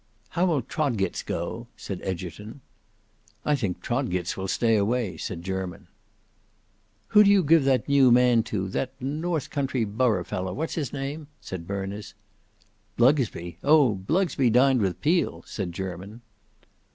"How will Trodgits go?" said Egerton. "I think Trodgits will stay away," said Jermyn. "Who do you give that new man to—that north country borough fellow;—what's his name?" said Berners. "Blugsby! Oh, Blugsby dined with Peel," said Jermyn.